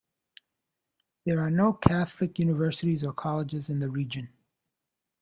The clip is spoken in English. There are no Catholic universities or colleges in the region.